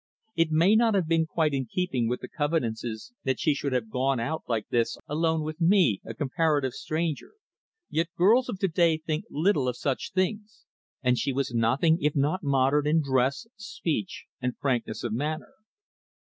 It may not have been quite in keeping with the convenances that she should have gone out like this alone with me, a comparative stranger, yet girls of to day think little of such things, and she was nothing if not modern in dress, speech and frankness of manner.